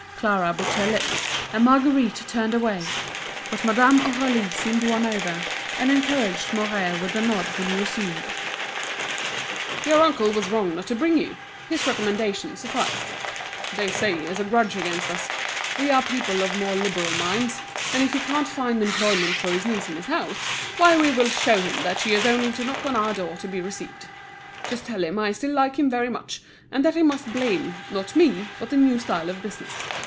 Clara bit her lips, and Marguerite turned away; but Madame Aurélie seemed won over, and encouraged Mouret with a nod when he resumed: "Your uncle was wrong not to bring you; his recommendation sufficed. They say he has a grudge against us. We are people of more liberal minds, and if he can't find employment for his niece in his house, why we will show him that she has only to knock at our door to be received. Just tell him I still like him very much, and that he must blame, not me, but the new style of business.